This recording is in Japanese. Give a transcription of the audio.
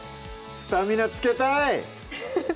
スタミナつけたい！